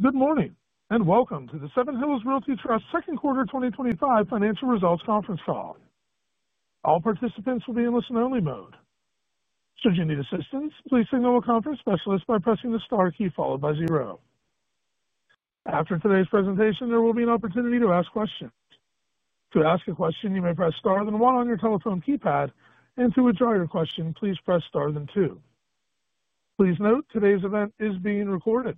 Good morning and welcome to the Seven Hills Realty Trust's second quarter 2025 financial results conference call. All participants will be in listen-only mode. Should you need assistance, please signal a conference specialist by pressing the STAR key followed by zero. After today's presentation, there will be an opportunity to ask questions. To ask a question, you may press STAR, then one on your telephone keypad, and to withdraw your question, please press STAR, then two. Please note, today's event is being recorded.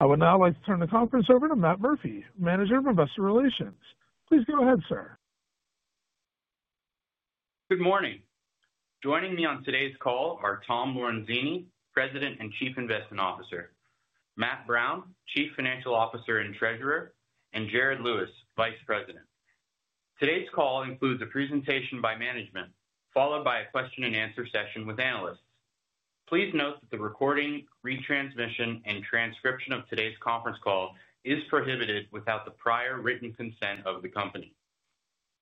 I would now like to turn the conference over to Matt Murphy, Manager of Investor Relations. Please go ahead, sir. Good morning. Joining me on today's call are Tom Lorenzini, President and Chief Investment Officer; Matt Brown, Chief Financial Officer and Treasurer; and Jared Lewis, Vice President. Today's call includes a presentation by management, followed by a question-and-answer session with analysts. Please note that the recording, retransmission, and transcription of today's conference call is prohibited without the prior written consent of the company.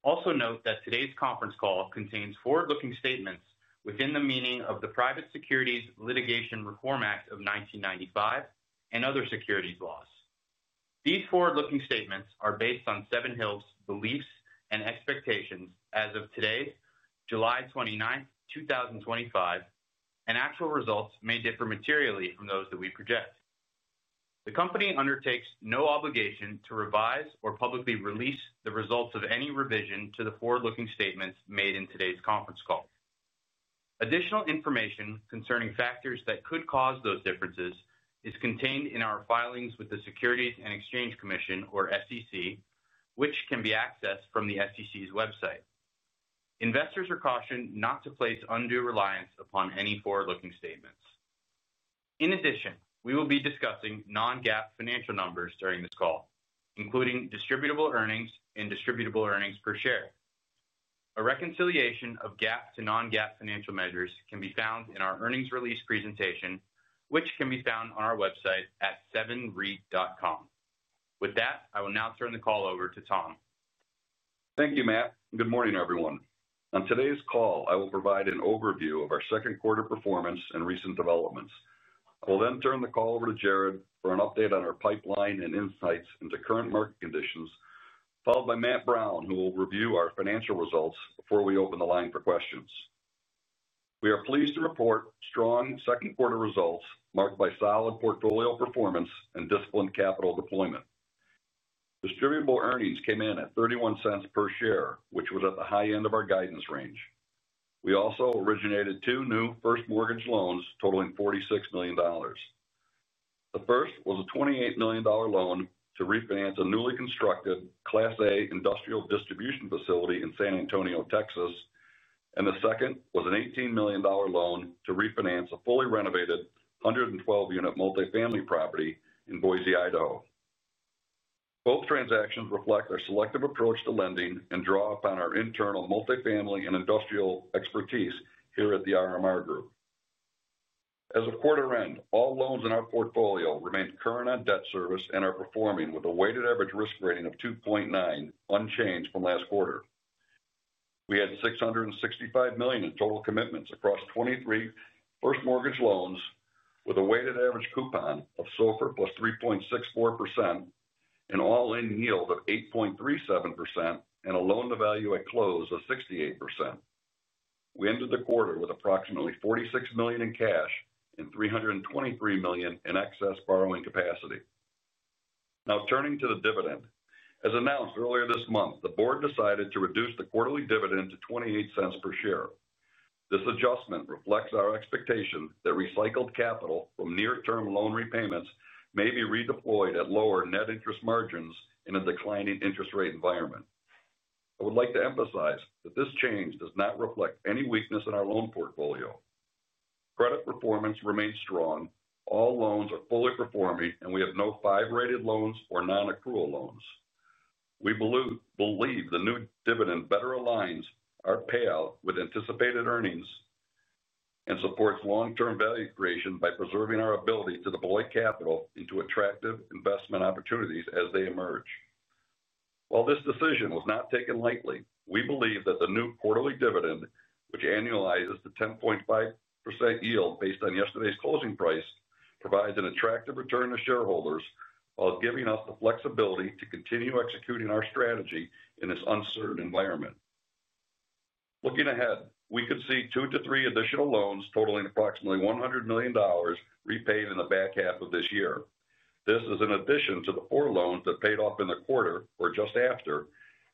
Also note that today's conference call contains forward-looking statements within the meaning of the Private Securities Litigation Reform Act of 1995 and other securities laws. These forward-looking statements are based on Seven Hills Realty Trust's beliefs and expectations as of today, July 29th, 2025, and actual results may differ materially from those that we project. The company undertakes no obligation to revise or publicly release the results of any revision to the forward-looking statements made in today's conference call. Additional information concerning factors that could cause those differences is contained in our filings with the Securities and Exchange Commission, or SEC, which can be accessed from the SEC's website. Investors are cautioned not to place undue reliance upon any forward-looking statements. In addition, we will be discussing non-GAAP financial numbers during this call, including distributable earnings and distributable earnings per share. A reconciliation of GAAP to non-GAAP financial measures can be found in our earnings release presentation, which can be found on our website at sevenreit.com. With that, I will now turn the call over to Tom. Thank you, Matt, and good morning, everyone. On today's call, I will provide an overview of our second quarter performance and recent developments. I will then turn the call over to Jared for an update on our pipeline and insights into current market conditions, followed by Matt Brown, who will review our financial results before we open the line for questions. We are pleased to report strong second quarter results marked by solid portfolio performance and disciplined capital deployment. Distributable earnings came in at $0.31 per share, which was at the high end of our guidance range. We also originated two new first mortgage loans totaling $46 million. The first was a $28 million loan to refinance a newly constructed Class A industrial distribution facility in San Antonio, Texas, and the second was an $18 million loan to refinance a fully renovated 112-unit multifamily property in Boise, Idaho. Both transactions reflect our selective approach to lending and draw upon our internal multifamily and industrial expertise here at The RMR Group. As of quarter end, all loans in our portfolio remain current on debt service and are performing with a weighted average risk rating of 2.9, unchanged from last quarter. We had $665 million in total commitments across 23 first mortgage loans with a weighted average coupon of SOFR+ 3.64%, an all-in yield of 8.37%, and a loan-to-value at close of 68%. We ended the quarter with approximately $46 million in cash and $323 million in excess borrowing capacity. Now turning to the dividend, as announced earlier this month, the board decided to reduce the quarterly dividend to $0.28 per share. This adjustment reflects our expectation that recycled capital from near-term loan repayments may be redeployed at lower net interest margins in a declining interest rate environment. I would like to emphasize that this change does not reflect any weakness in our loan portfolio. Credit performance remains strong. All loans are fully performing, and we have no 5-rated loans or non-accrual loans. We believe the new dividend better aligns our payout with anticipated earnings and supports long-term value creation by preserving our ability to deploy capital into attractive investment opportunities as they emerge. While this decision was not taken lightly, we believe that the new quarterly dividend, which annualizes to 10.5% yield based on yesterday's closing price, provides an attractive return to shareholders while giving us the flexibility to continue executing our strategy in this uncertain environment. Looking ahead, we could see two to three additional loans totaling approximately $100 million repaid in the back half of this year. This is in addition to the four loans that paid off in the quarter or just after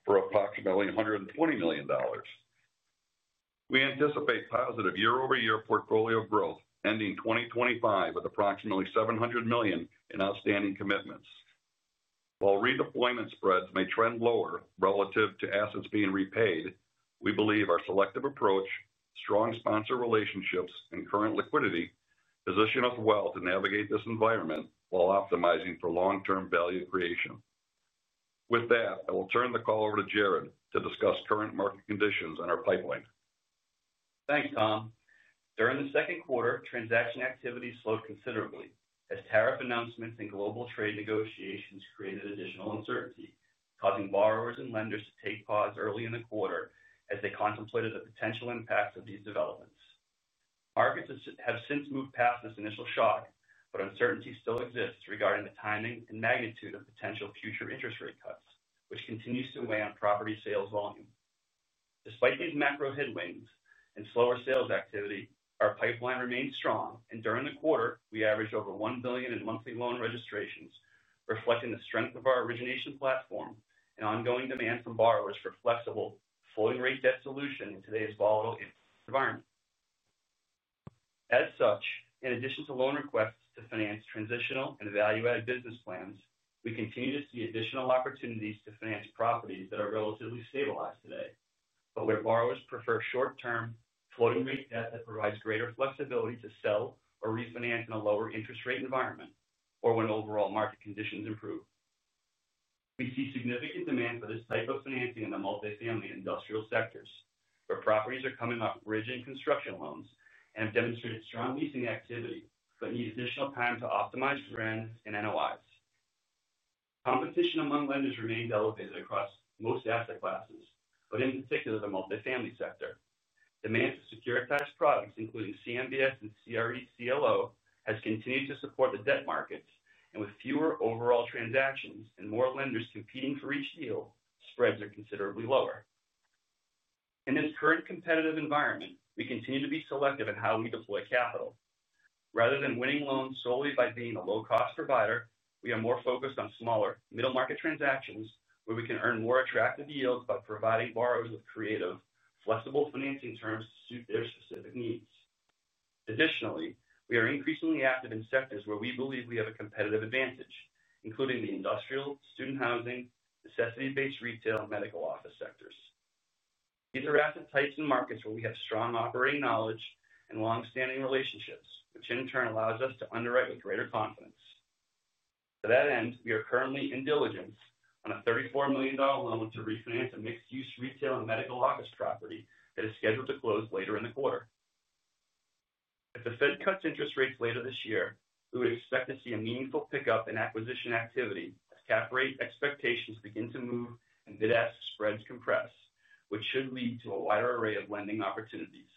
for approximately $120 million. We anticipate positive year-over-year portfolio growth ending 2025 with approximately $700 million in outstanding commitments. While redeployment spreads may trend lower relative to assets being repaid, we believe our selective approach, strong sponsor relationships, and current liquidity position us well to navigate this environment while optimizing for long-term value creation. With that, I will turn the call over to Jared to discuss current market conditions on our pipeline. Thanks, Tom. During the second quarter, transaction activity slowed considerably as tariff announcements and global trade negotiations created additional uncertainty, causing borrowers and lenders to take pause early in the quarter as they contemplated the potential impacts of these developments. Markets have since moved past this initial shock, but uncertainty still exists regarding the timing and magnitude of potential future interest rate cuts, which continues to weigh on property sales volume. Despite these macro headwinds and slower sales activity, our pipeline remains strong, and during the quarter, we averaged over $1 billion in monthly loan registrations, reflecting the strength of our origination platform and ongoing demand from borrowers for a flexible, floating-rate debt solution in today's volatile environment. As such, in addition to loan requests to finance transitional and value-added business plans, we continue to see additional opportunities to finance property that are relatively stabilized today, but where borrowers prefer short-term floating-rate debt that provides greater flexibility to sell or refinance in a lower interest rate environment or when overall market conditions improve. We see significant demand for this type of financing in the multifamily and industrial sectors, where properties are coming off bridge and construction loans and have demonstrated strong leasing activity but need additional time to optimize for rent and NOIs. Competition among lenders remains elevated across most asset classes, particularly the multifamily sector. Demand for securitized products, including CMBS and CRE/CLO, has continued to support the debt markets, and with fewer overall transactions and more lenders competing for each deal, spreads are considerably lower. In this current competitive environment, we continue to be selective in how we deploy capital. Rather than winning loans solely by being a low-cost provider, we are more focused on smaller, middle-market transactions where we can earn more attractive yields by providing borrowers with creative, flexible financing terms to suit their specific needs. Additionally, we are increasingly active in sectors where we believe we have a competitive advantage, including the industrial, student housing, necessity-based retail, and medical office sectors. These are asset types and markets where we have strong operating knowledge and longstanding relationships, which in turn allows us to underwrite with greater confidence. To that end, we are currently in diligence on a $34 million loan to refinance a mixed-use retail and medical office property that is scheduled to close later in the quarter. If the Fed cuts interest rates later this year, we would expect to see a meaningful pickup in acquisition activity as cap rate expectations begin to move and bid-ask spreads compress, which should lead to a wider array of lending opportunities.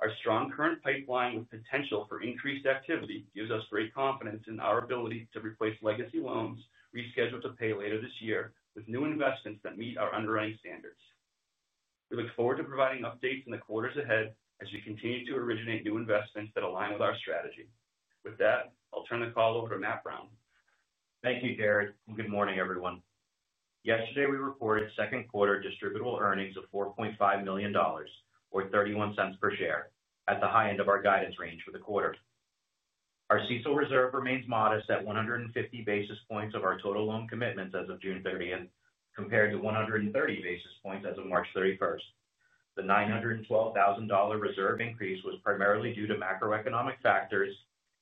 Our strong current pipeline with potential for increased activity gives us great confidence in our ability to replace legacy loans rescheduled to pay later this year with new investments that meet our underwriting standards. We look forward to providing updates in the quarters ahead as we continue to originate new investments that align with our strategy. With that, I'll turn the call over to Matt Brown. Thank you, Jared, and good morning, everyone. Yesterday, we reported second quarter distributable earnings of $4.5 million, or $0.31 per share, at the high end of our guidance range for the quarter. Our CECL reserve remains modest at 150 basis points of our total loan commitments as of June 30th, compared to 130 basis points as of March 31st. The $912,000 reserve increase was primarily due to macroeconomic factors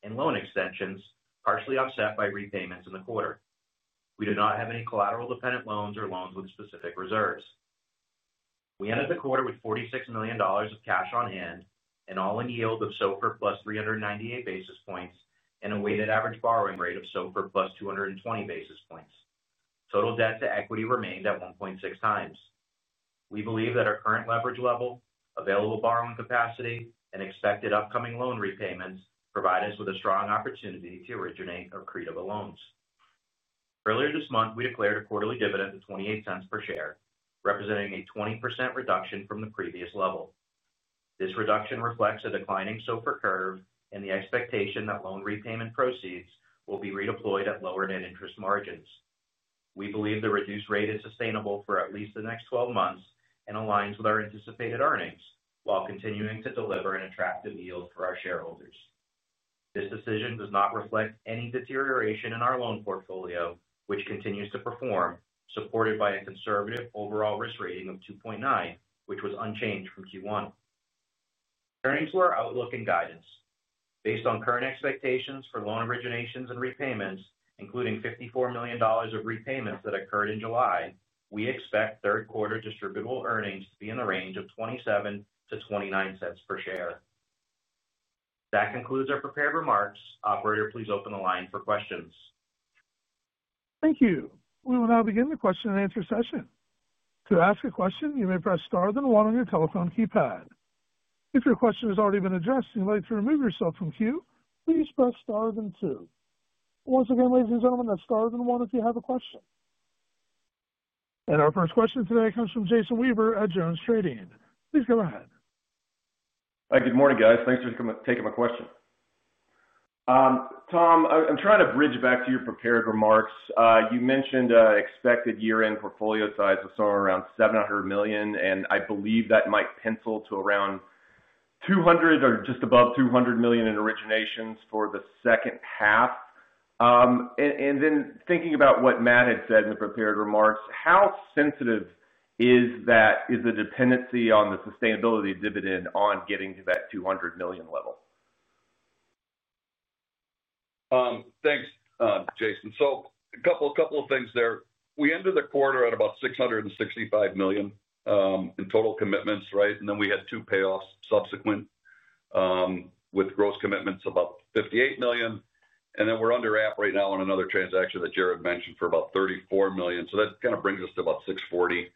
and loan extensions, partially offset by repayments in the quarter. We do not have any collateral dependent loans or loans with specific reserves. We ended the quarter with $46 million of cash on hand, an all-in yield of SOFR+ 398 basis points, and a weighted average borrowing rate of SOFR+ 220 basis points. Total debt to equity remained at 1.6x. We believe that our current leverage level, available borrowing capacity, and expected upcoming loan repayments provide us with a strong opportunity to originate creative loans. Earlier this month, we declared a quarterly dividend of $0.28 per share, representing a 20% reduction from the previous level. This reduction reflects a declining SOFR curve and the expectation that loan repayment proceeds will be redeployed at lower net interest margins. We believe the reduced rate is sustainable for at least the next 12 months and aligns with our anticipated earnings, while continuing to deliver an attractive yield for our shareholders. This decision does not reflect any deterioration in our loan portfolio, which continues to perform, supported by a conservative overall risk rating of 2.9, which was unchanged from Q1. Turning to our outlook and guidance, based on current expectations for loan originations and repayments, including $54 million of repayments that occurred in July, we expect third quarter distributable earnings to be in the range of $0.27-$0.29 per share. That concludes our prepared remarks. Operator, please open the line for questions. Thank you. We will now begin the question-and-answer session. To ask a question, you may press STAR, then one on your telephone keypad. If your question has already been addressed and you would like to remove yourself from queue, please press STAR, then two. Once again, ladies and gentlemen, that's STAR, then one if you have a question. Our first question today comes from Jason Weaver at JonesTrading. Please go ahead. Hi, good morning, guys. Thanks for taking my question. Tom, I'm trying to bridge back to your prepared remarks. You mentioned expected year-end portfolio size of somewhere around $700 million, and I believe that might pencil to around $200 million or just above $200 million in originations for the second half. Thinking about what Matt had said in the prepared remarks, how sensitive is that dependency on the sustainability dividend on getting to that $200 million level? Thanks, Jason. A couple of things there. We ended the quarter at about $665 million in total commitments, right? We had two payoffs subsequent with gross commitments about $58 million. We're underwritten right now on another transaction that Jared mentioned for about $34 million. That kind of brings us to about $640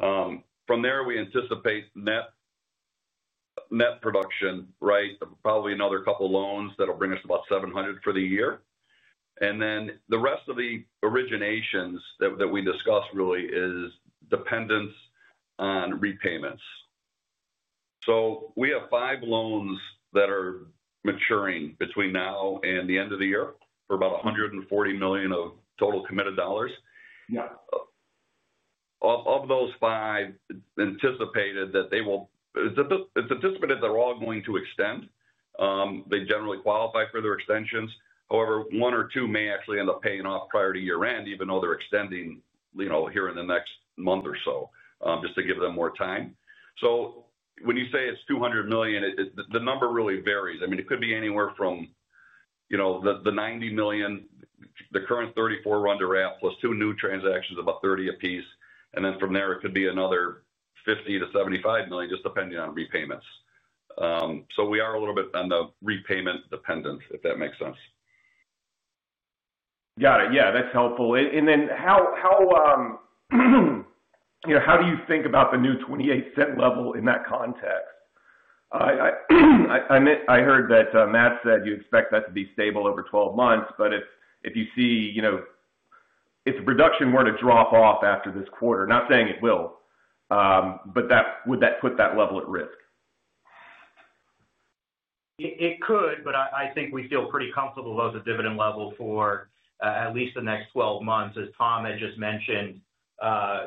million. From there, we anticipate net production, right? Probably another couple of loans that'll bring us to about $700 million for the year. The rest of the originations that we discussed really is dependence on repayments. We have five loans that are maturing between now and the end of the year for about $140 million of total committed dollars. Yeah. Of those five, it's anticipated that they're all going to extend. They generally qualify for their extensions. However, one or two may actually end up paying off prior to year-end, even though they're extending here in the next month or so, just to give them more time. When you say it's $200 million, the number really varies. It could be anywhere from the $90 million, the current $34 million underwritten plus two new transactions, about $30 million apiece. From there, it could be another $50 million-$75 million, just depending on repayments. We are a little bit on the repayment dependent, if that makes sense. Got it. Yeah, that's helpful. How do you think about the new $0.28 level in that context? I heard that Matt said you expect that to be stable over 12 months, but if you see, you know, if production were to drop off after this quarter, not saying it will, would that put that level at risk? It could, but I think we feel pretty comfortable about the dividend level for at least the next 12 months. As Tom had just mentioned,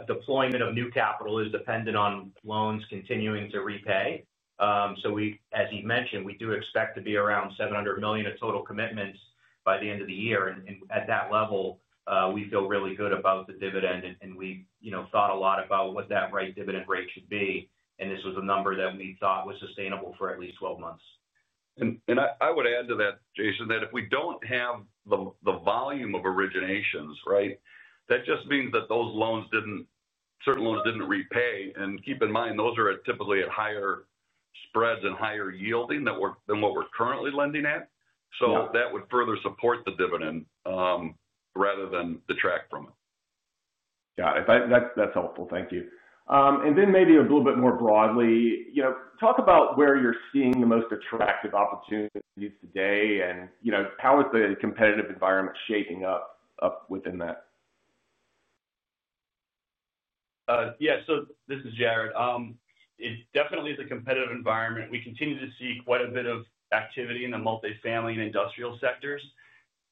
deployment of new capital is dependent on loans continuing to repay. We do expect to be around $700 million in total commitments by the end of the year. At that level, we feel really good about the dividend. We thought a lot about what that right dividend rate should be. This was a number that we thought was sustainable for at least 12 months. I would add to that, Jason, that if we don't have the volume of originations, right, that just means that those loans didn't, certain loans didn't repay. Keep in mind, those are typically at higher spreads and higher yielding than what we're currently lending at. That would further support the dividend rather than detract from it. Got it. That's helpful. Thank you. Maybe a little bit more broadly, you know, talk about where you're seeing the most attractive opportunities today, and you know, how is the competitive environment shaping up within that? Yeah, it definitely is a competitive environment. We continue to see quite a bit of activity in the multifamily and industrial sectors.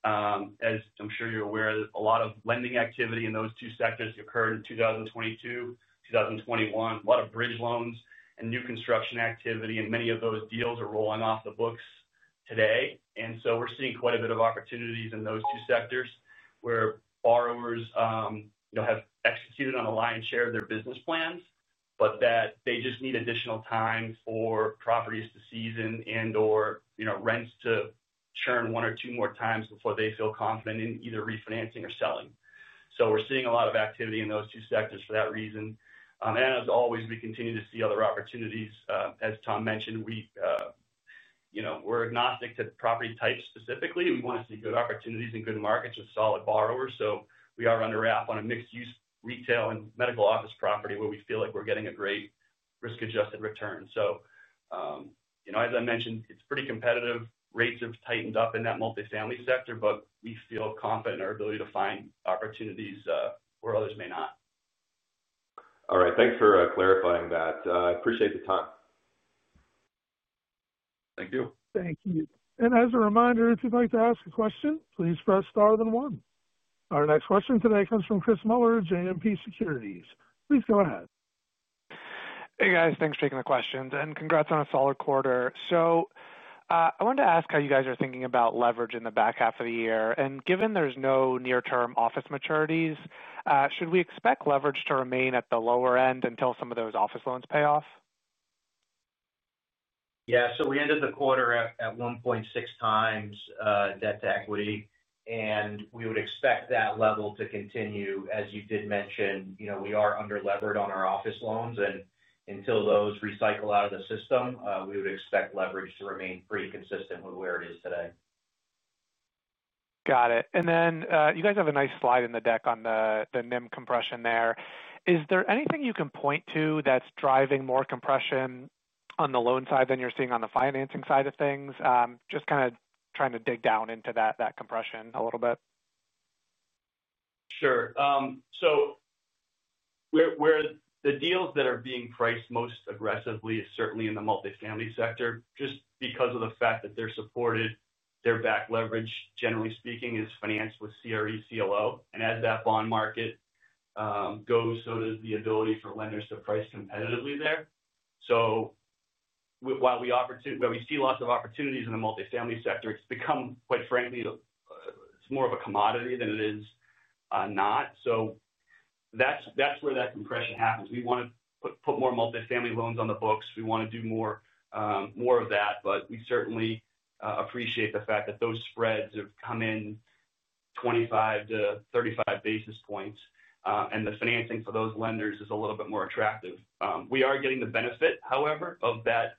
As I'm sure you're aware, a lot of lending activity in those two sectors occurred in 2022, 2021, a lot of bridge loans and new construction activity. Many of those deals are rolling off the books today. We're seeing quite a bit of opportunities in those two sectors where borrowers have executed on a lion's share of their business plans, but they just need additional time for properties to season and/or rents to churn one or two more times before they feel confident in either refinancing or selling. We're seeing a lot of activity in those two sectors for that reason. We continue to see other opportunities. As Tom mentioned, we're agnostic to property types specifically and want to see good opportunities and good markets with solid borrowers. We are underwritten on a mixed-use retail and medical office property where we feel like we're getting a great risk-adjusted return. As I mentioned, it's pretty competitive. Rates have tightened up in that multifamily sector, but we feel confident in our ability to find opportunities where others may not. All right, thanks for clarifying that. I appreciate the time. Thank you. Thank you. As a reminder, if you'd like to ask a question, please press STAR, then one. Our next question today comes from Chris Muller of JMP Securities. Please go ahead. Hey guys, thanks for taking the questions and congrats on a solid quarter. I wanted to ask how you guys are thinking about leverage in the back half of the year. Given there's no near-term office maturities, should we expect leverage to remain at the lower end until some of those office loans pay off? Yeah, we ended the quarter at 1.6x debt to equity. We would expect that level to continue, as you did mention. We are underleveraged on our office loans, and until those recycle out of the system, we would expect leverage to remain pretty consistent with where it is today. Got it. You guys have a nice slide in the deck on the NIM compression there. Is there anything you can point to that's driving more compression on the loan side than you're seeing on the financing side of things? Just kind of trying to dig down into that compression a little bit. Sure. Where the deals that are being priced most aggressively is certainly in the multifamily sector, just because of the fact that they're supported, their back leverage, generally speaking, is financed with CRE/CLO. As that bond market goes, so does the ability for lenders to price competitively there. While we offer to, we see lots of opportunities in the multifamily sector. It's become, quite frankly, it's more of a commodity than it is not. That's where that compression happens. We want to put more multifamily loans on the books. We want to do more of that. We certainly appreciate the fact that those spreads have come in 25-35 basis points, and the financing for those lenders is a little bit more attractive. We are getting the benefit, however, of that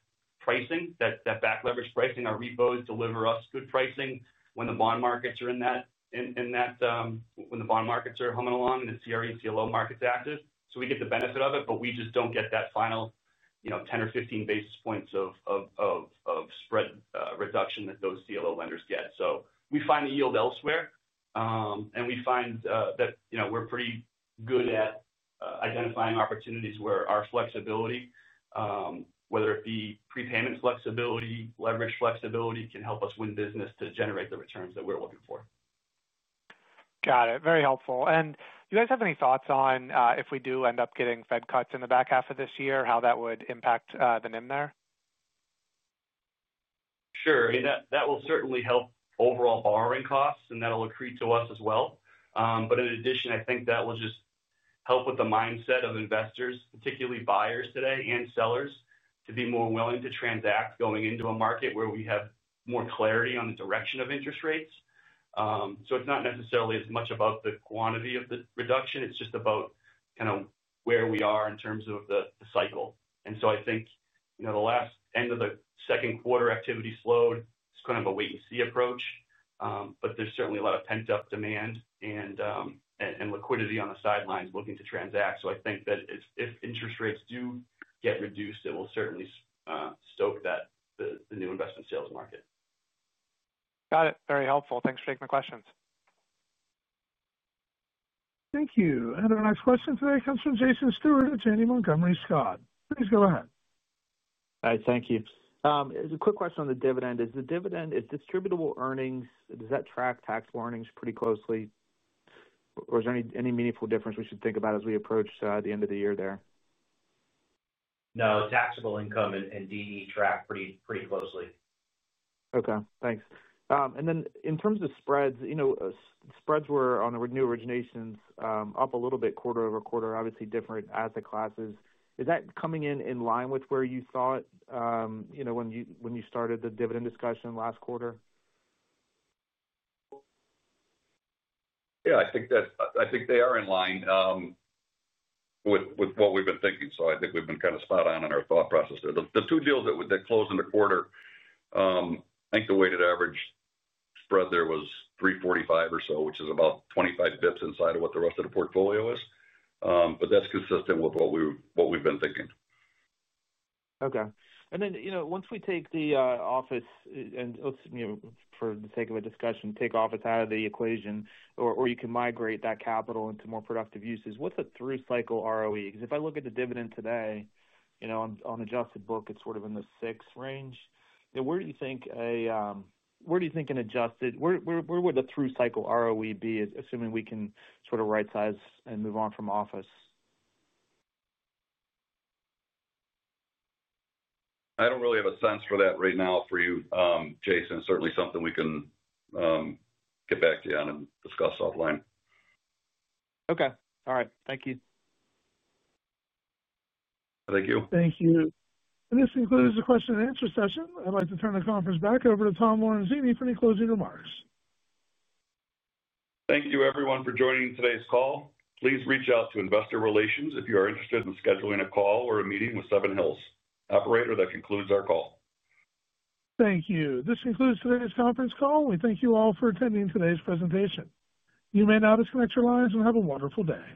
pricing, that back leverage pricing. Our repos deliver us good pricing when the bond markets are humming along and the CRE/CLO market's active. We get the benefit of it, but we just don't get that final 10 or 15 basis points of spread reduction that those CLO lenders get. We find the yield elsewhere, and we find that we're pretty good at identifying opportunities where our flexibility, whether it be prepayment flexibility or leverage flexibility, can help us win business to generate the returns that we're looking for. Got it. Very helpful. Do you guys have any thoughts on, if we do end up getting Fed cuts in the back half of this year, how that would impact the NIM there? Sure. I mean, that will certainly help overall borrowing costs, and that'll accrete to us as well. In addition, I think that will just help with the mindset of investors, particularly buyers today and sellers, to be more willing to transact going into a market where we have more clarity on the direction of interest rates. It's not necessarily as much about the quantity of the reduction. It's just about kind of where we are in terms of the cycle. I think the last end of the second quarter activity slowed, it's kind of a wait-and-see approach. There's certainly a lot of pent-up demand and liquidity on the sidelines looking to transact. I think that if interest rates do get reduced, it will certainly stoke the new investment sales market. Got it. Very helpful. Thanks for taking the questions. Thank you. Another nice question today comes from Jason Stewart at Janney Montgomery Scott. Please go ahead. All right, thank you. It's a quick question on the dividend. Is the dividend, is distributable earnings, does that track taxable earnings pretty closely, or is there any meaningful difference we should think about as we approach the end of the year there? No, taxable income and DE track pretty closely. Okay, thanks. In terms of spreads, you know, spreads were on new originations up a little bit quarter-over-quarter, obviously different asset classes. Is that coming in in line with where you saw it, you know, when you started the dividend discussion last quarter? I think they are in line with what we've been thinking. I think we've been kind of spot on in our thought process there. The two deals that closed in the quarter, I think the weighted average spread there was 345 bps or so, which is about 25 bps inside of what the rest of the portfolio is. That's consistent with what we've been thinking. Okay. Once we take the office and, for the sake of discussion, take office out of the equation, or you can migrate that capital into more productive uses, what's a through cycle ROE? Because if I look at the dividend today, on an adjusted book, it's sort of in the 6% range. Where do you think an adjusted, where would the through cycle ROE be, assuming we can sort of right size and move on from office? I don't really have a sense for that right now for you, Jason. Certainly something we can get back to you on and discuss offline. Okay. All right. Thank you. Thank you. Thank you. This concludes the question-and-answer session. I'd like to turn the conference back over to Tom Lorenzini for any closing remarks. Thank you, everyone, for joining today's call. Please reach out to Investor Relations if you are interested in scheduling a call or a meeting with Seven Hills Realty Trust. Operator, that concludes our call. Thank you. This concludes today's conference call. We thank you all for attending today's presentation. You may now disconnect your lines and have a wonderful day.